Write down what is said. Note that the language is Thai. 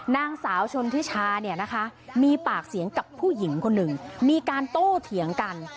นางสาวชนทิชาเนี่ยนะคะมีปากเสียงกับผู้หญิงคนหนึ่งมีการโต้เถียงกัน